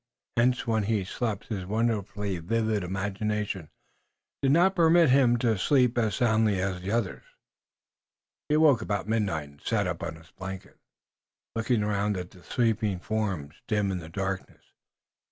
Hence when he slept his wonderfully vivid imagination did not permit him to sleep as soundly as the others. He awoke about midnight and sat up on his blanket, looking around at the sleeping forms, dim in the darkness.